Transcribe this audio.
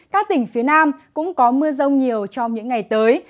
các tỉnh phía nam cũng có mưa rông nhiều trong những ngày tới